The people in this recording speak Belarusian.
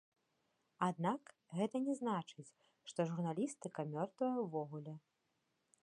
Аднак гэта не значыць, што журналістыка мёртвая ўвогуле.